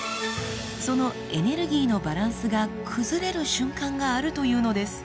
そのエネルギーのバランスが崩れる瞬間があるというのです。